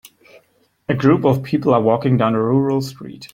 A group of people are walking down a rural street.